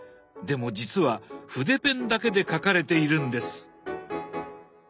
でもじつは筆ペンだけで描かれているんです！